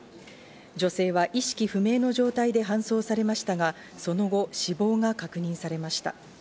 女性は意識不明の状態で搬送されましたが、その後死亡が確認されました。